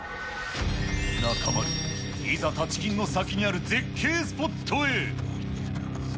中丸、いざタチキンの先にある絶景スポットへ。